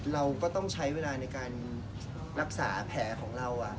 เราก็ต้องใช้เวลาในการรักษาแผลของเรา